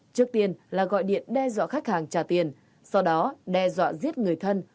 trước tiên là gọi điện đe dọa khách hàng trả tiền sau đó đe dọa giết người thân